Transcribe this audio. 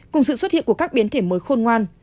cùng sự xuất hiện của các biến thể mới khôn ngoan